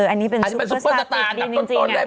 อันนี้เป็นซูเปอร์สตาร์ติดดีจริง